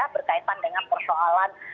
berkaitan dengan persoalan